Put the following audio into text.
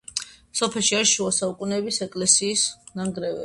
სოფელში არის შუა საუკუნეების ეკლესიის ნანგრევები.